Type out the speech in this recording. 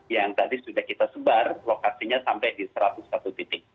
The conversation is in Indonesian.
yang tadi sudah kita sebar lokasinya sampai di satu ratus satu titik